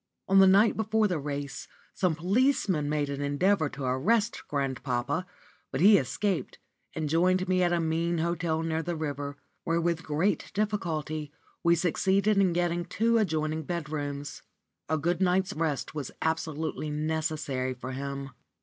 On the night before the race some policemen made an endeavour to arrest grandpapa, but he escaped, and joined me at a mean hotel near the river, where with great difficulty we succeeded in getting two adjoining bedrooms. A good night's rest was absolutely necessary for him.